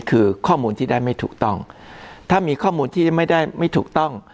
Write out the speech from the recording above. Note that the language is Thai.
คือข้อมูลที่ได้ไม่ถูกต้องถ้ามีข้อมูลที่ไม่ได้ไม่ถูกต้อง